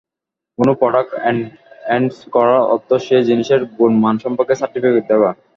কোনো product endorse করার অর্থ সেই জিনিসের গুণমান সম্পর্কে সার্টিফিকেট দেওয়া।